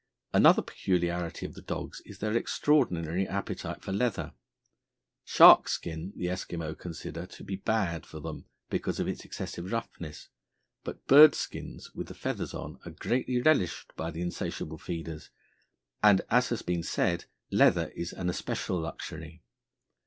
Another peculiarity of the dogs is their extraordinary appetite for leather. Shark skin the Eskimo consider to be bad for them because of its excessive roughness, but birds' skins, with the feathers on, are greatly relished by the insatiable feeders, and, as has been said, leather is an especial luxury.